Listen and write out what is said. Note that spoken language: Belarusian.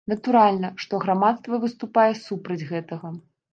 Натуральна, што грамадства выступае супраць гэтага.